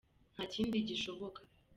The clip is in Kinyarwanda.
ntakindi gishoboka.